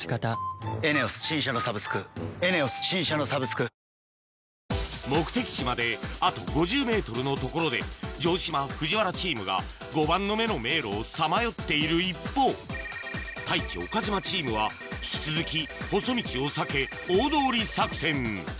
しかし目的地まであと５０ｍのところで城島・藤原チームが碁盤の目の迷路をさまよっている一方太一・岡島チームは引き続き細道を避け大通り作戦